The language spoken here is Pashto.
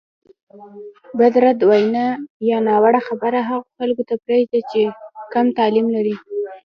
بدرد وینا یا ناوړه خبرې هغو خلکو ته پرېږده چې کم تعلیم لري.